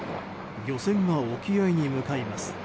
漁船が沖合に向かいます。